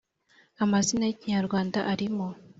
Amazina yi kinyarwanda arimo